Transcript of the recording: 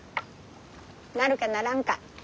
なるかならんか？